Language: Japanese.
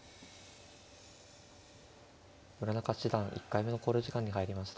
村中七段１回目の考慮時間に入りました。